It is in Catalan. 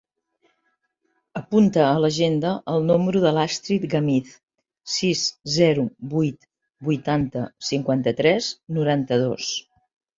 Apunta a l'agenda el número de l'Astrid Gamiz: sis, zero, vuit, vuitanta, cinquanta-tres, noranta-dos.